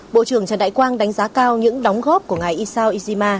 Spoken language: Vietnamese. bộ trưởng trần đại quang đánh giá cao những đóng góp của ngài isao izima